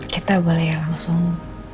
kita boleh langsung